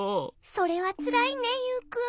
それはつらいねユウくん。